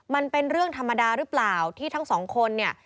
มันเป็นเรื่องธรรมดาหรือเปล่าที่ทั้งสองคนเนี่ย